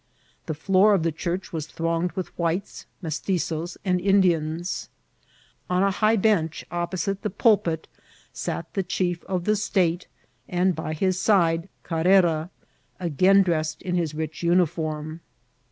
The floor of the church was thronged with whites, Mestit zoes, and Indians. On a high bench opposite the pul pit sat the chief of the state, and by his side Carrera, again dressed in his rich uniform.